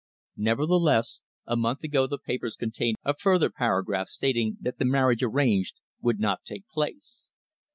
Nevertheless, a month ago the papers contained a further paragraph stating that the marriage arranged "would not take place."